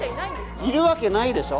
いるわけないでしょ。